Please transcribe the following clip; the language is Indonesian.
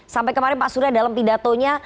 sampai kemarin pak surya dalam pidatonya